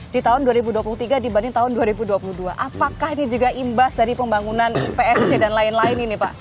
di tahun dua ribu dua puluh tiga dibanding tahun dua ribu dua puluh dua apakah ini juga imbas dari pembangunan psc dan lain lain ini pak